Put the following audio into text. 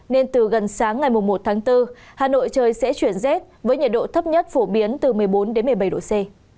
nên từ gần sáng ngày một tháng bốn hà nội trời sẽ chuyển rét với nhiệt độ thấp nhất phổ biến từ một mươi bốn đến một mươi bảy độ c